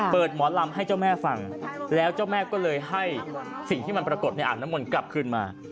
หมอลำให้เจ้าแม่ฟังแล้วเจ้าแม่ก็เลยให้สิ่งที่มันปรากฏในอ่างน้ำมนต์กลับคืนมา